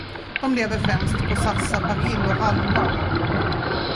De lever främst på sarsaparill och hallon.